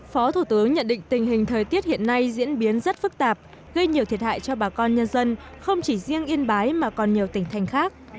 phó thủ tướng nhận định tình hình thời tiết hiện nay diễn biến rất phức tạp gây nhiều thiệt hại cho bà con nhân dân không chỉ riêng yên bái mà còn nhiều tỉnh thành khác